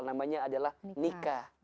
namanya adalah nikah